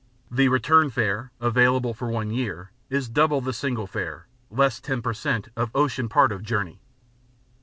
The Return fare (available for one; year) is double the Single fare, less 10 per cent, of ocean part of journey.